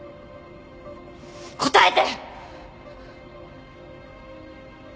答えて！